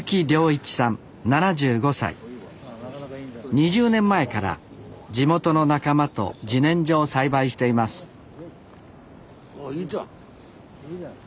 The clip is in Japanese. ２０年前から地元の仲間とじねんじょを栽培していますおういいじゃん。